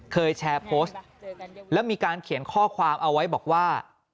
เคยแชร์โพสต์แล้วมีการเขียนข้อความเอาไว้บอกว่า